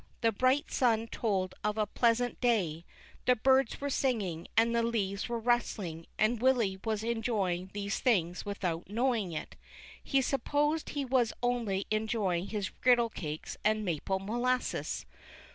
The bright sun told of a pleasant day ; the birds were singing, the leaves were rustling, and Willy was enjoying these things without knowing it ; he supposed he was only enjoying his griddle cakes and maple molasses.